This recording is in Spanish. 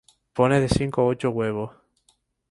Pone de cinco a ocho huevos.